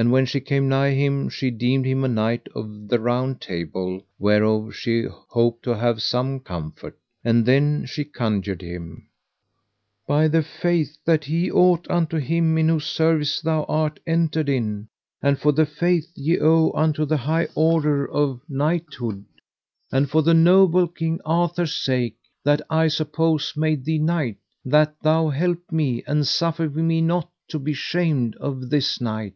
And when she came nigh him she deemed him a knight of the Round Table, whereof she hoped to have some comfort; and then she conjured him: By the faith that he ought unto Him in whose service thou art entered in, and for the faith ye owe unto the high order of knighthood, and for the noble King Arthur's sake, that I suppose made thee knight, that thou help me, and suffer me not to be shamed of this knight.